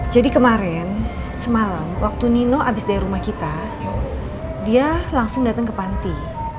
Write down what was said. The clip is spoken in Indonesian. kemarin semalam waktu nino habis dari rumah kita dia langsung datang ke panti